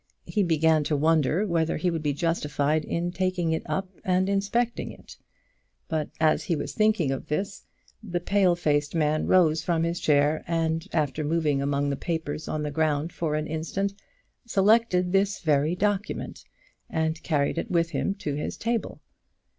He began to wonder whether he would be justified in taking it up and inspecting it. But as he was thinking of this the pale faced man rose from his chair, and after moving among the papers on the ground for an instant, selected this very document, and carried it with him to his table.